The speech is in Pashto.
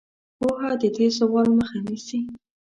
پوهه د دې زوال مخه نیسي.